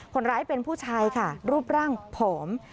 คนร้ายเป็นผู้ชายค่ะรูปร่างผอม